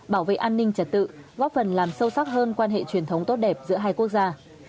bảo vệ an ninh trật tự góp phần làm sâu sắc hơn quan hệ truyền thống tốt đẹp giữa hai quốc gia